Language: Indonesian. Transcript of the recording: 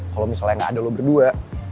kalo misalnya gak ada lo berdua